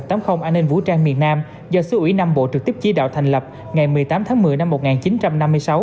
một trăm tám mươi an ninh vũ trang miền nam do xứ ủy nam bộ trực tiếp chỉ đạo thành lập ngày một mươi tám tháng một mươi năm một nghìn chín trăm năm mươi sáu